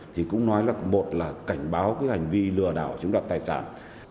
thì cũng nói là một là cảnh báo cái hành vi lừa đảo chúng đặt tài sản